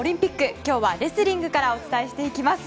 今日はレスリングからお伝えしていきます。